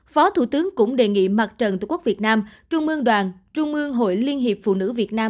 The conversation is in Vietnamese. phó thủ tướng cũng đề nghị mặt trận tq việt nam trung mương đoàn trung mương hội liên hiệp phụ nữ việt nam